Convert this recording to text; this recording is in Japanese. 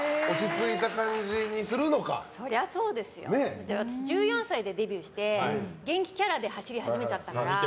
だって私１４歳でデビューして元気キャラで走り始めちゃったから。